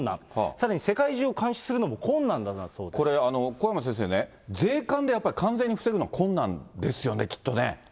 さらに、世界中を監視するのも困難だこれ、小山先生ね、税関でやっぱり完全に防ぐのは困難ですよね、きっとね。